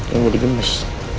ya jadi gemes